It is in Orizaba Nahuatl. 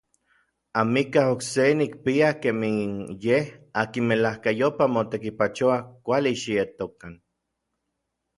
Amikaj okse nikpia kemij n yej akin melajkayopaj motekipachoua kuali xietokan.